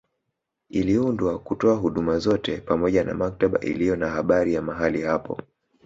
Iliundwa kutoa huduma zote pamoja na maktaba iliyo na habari ya mahali hapo